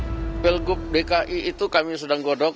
di pilgub dki itu kami sedang godok